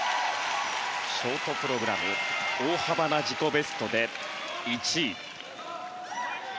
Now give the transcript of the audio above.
ショートプログラムは大幅な自己ベストで１位。